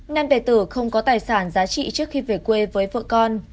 nam đề tử không có tài sản giá trị trước khi về quê với vợ con